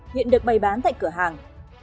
hiện được bày bán tại cửa hàng